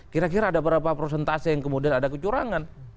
kira kira ada berapa prosentase yang kemudian ada kecurangan